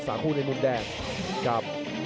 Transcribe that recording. สาหกู้ในมุมแดนกับ